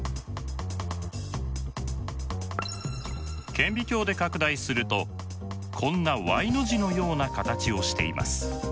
顕微鏡で拡大するとこんなＹの字のような形をしています。